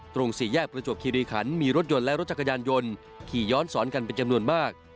สี่แยกประจวบคิริขันมีรถยนต์และรถจักรยานยนต์ขี่ย้อนสอนกันเป็นจำนวนมาก